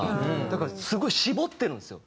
だからすごい絞ってるんですよ。